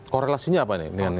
korelasinya apa ini